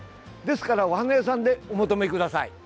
ですからお花屋さんでお求めください。